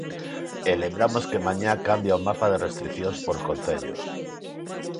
E lembramos que mañá cambia o mapa de restricións por concellos.